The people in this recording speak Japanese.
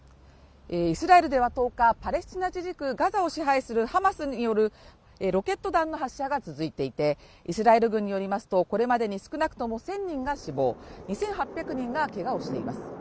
イスラエルでは１０日パレスチナ自治区ガザを支配するハマスによるロケット弾の発射が続いていてイスラエル軍によりますとこれまでに少なくとも１０００人が死亡２８００人がけがをしています